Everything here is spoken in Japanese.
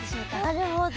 なるほど！